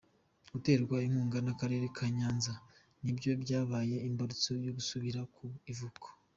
Guterwa inkunga n’akarere ka Nyanza nibyo byabaye imbarutso yo gusubira ku ivuko.